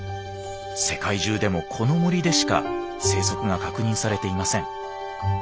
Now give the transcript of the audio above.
世界中でもこの森でしか生息が確認されていません。